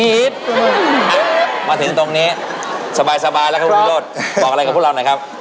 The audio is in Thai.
มาถึงตรงนี้สบายแล้วครับวิโรธบอกอะไรกับพวกเราหน่อยครับ